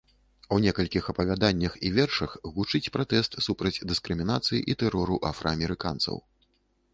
У некалькіх апавяданнях і вершах гучыць пратэст супраць дыскрымінацыі і тэрору афраамерыканцаў.